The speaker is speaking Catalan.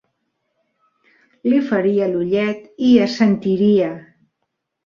Li faria l'ullet i assentiria.